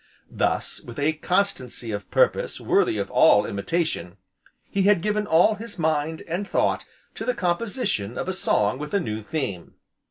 Thus, with a constancy of purpose worthy of all imitation, he had given all his mind, and thought, to the composition of a song with a new theme.